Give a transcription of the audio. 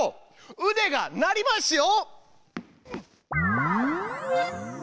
うでが鳴りますよ。